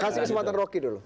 kasih kesempatan rocky dulu